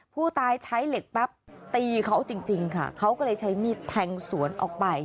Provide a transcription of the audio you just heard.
ผู้ตายใช้เหล็กแป๊บตีเขาจริงค่ะเขาก็เลยใช้มีดแทงสวนออกไป